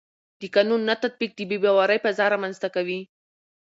د قانون نه تطبیق د بې باورۍ فضا رامنځته کوي